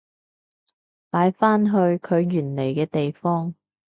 擺返去佢原來嘅地方